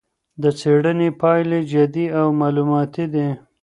د څېړنې پایلې جدي او معلوماتي دي.